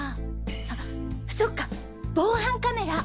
あそっか防犯カメラ！